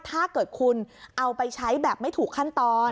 ถ้าเกิดคุณเอาไปใช้แบบไม่ถูกขั้นตอน